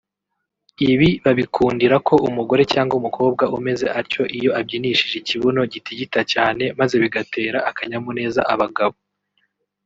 ibi babikundira ko umugore cyangwa umukobwa umeze atyo iyo abyinishije ikibuno gitigita cyane maze bigatera akanyamuneza abagabo